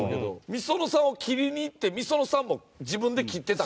ｍｉｓｏｎｏさんを切りにいってｍｉｓｏｎｏさんも自分で切ってた。